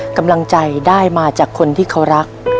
กำลังใจได้มาจากคนที่เขารัก